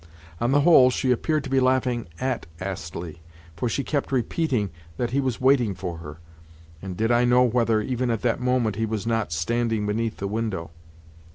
On the whole, she appeared to be laughing at Astley, for she kept repeating that he was waiting for her, and did I know whether, even at that moment, he was not standing beneath the window?